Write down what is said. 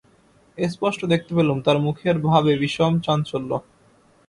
স্পষ্ট দেখতে পেলুম তাঁর মুখের ভাবে বিষম চাঞ্চল্য।